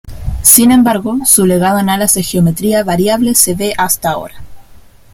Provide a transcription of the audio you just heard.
Sin embargo, su legado en alas de geometría variable se ve hasta ahora.